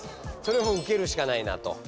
それも受けるしかないなと。